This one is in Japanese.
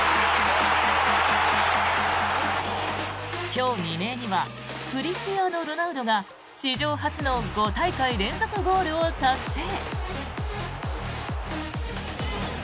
今日未明にはクリスティアーノ・ロナウドが史上初の５大会連続ゴールを達成。